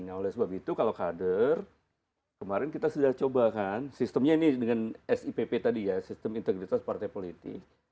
nah oleh sebab itu kalau kader kemarin kita sudah coba kan sistemnya ini dengan sipp tadi ya sistem integritas partai politik